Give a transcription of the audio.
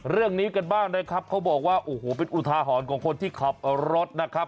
เรื่องนี้กันบ้างนะครับเขาบอกว่าโอ้โหเป็นอุทาหรณ์ของคนที่ขับรถนะครับ